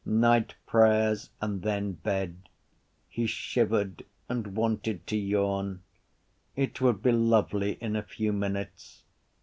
Night prayers and then bed: he shivered and wanted to yawn. It would be lovely in a few minutes.